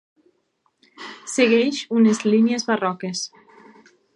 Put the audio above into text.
Segueix unes línies barroques.